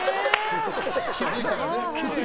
気づいたらね。